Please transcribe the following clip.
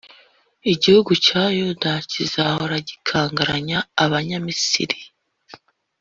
Igihugu cya Yuda kizahora gikangaranya Abanyamisiri,